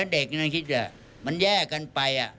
เด็กมันแยกกันไป